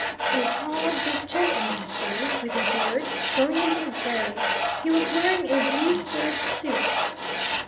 "A tall, big gentleman, sir, with a beard, going a little grey. He was wearing a blue serge suit."